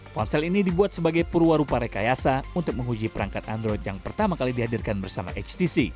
ponsel ini dibuat sebagai purwarupa rekayasa untuk menguji perangkat android yang pertama kali dihadirkan bersama htc